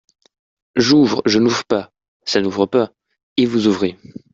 J'ouvre, je n'ouvre pas (ça n'ouvre pas), et vous ouvrez.